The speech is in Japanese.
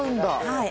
はい。